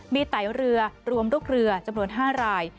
มีไตเรือรวมลูกเรือจำนวน๕ราย